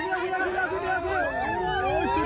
อันนี้สุดยอดสุดยอด